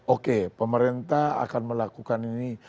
oke pemerintah akan melakukan ini